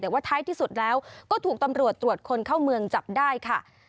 แต่ว่าท้ายที่สุดแล้วก็ถูกตำรวจตรวจคนเข้าเมืองจับได้ค่ะ